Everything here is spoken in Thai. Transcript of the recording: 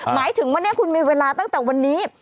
หมายถึงวันนี้คุณมีเวลาตั้งแต่วันนี้